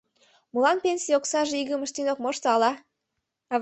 Молан пенсий оксаже игым ыштен ок мошто ала?